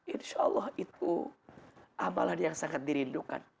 insya allah itu amalan yang sangat dirindukan